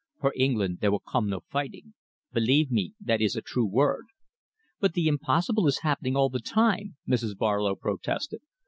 For England there will come no fighting. Believe me, that is a true word." "But the impossible is happening all the time," Mrs. Barlow protested.